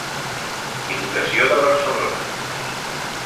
Diputació de Barcelona.